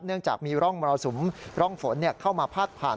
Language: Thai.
จากมีร่องมรสุมร่องฝนเข้ามาพาดผ่าน